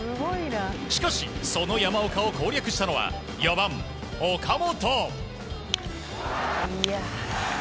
しかし、その山岡を攻略したのは４番、岡本。